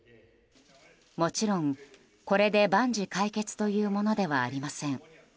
もちろん、これで万事解決というものではありません。